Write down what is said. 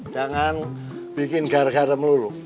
jangan bikin gara gara melulu